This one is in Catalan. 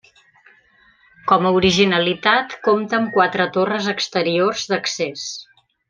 Com a originalitat, compta amb quatre torres exteriors d'accés.